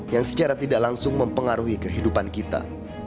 yang secara tidak langsung mempengaruhi kehidupan kita